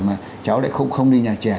mà cháu lại không đi nhà trẻ